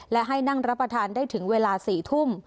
และให้นั่งรับประทานได้ถึงเวลา๔ทุ่ม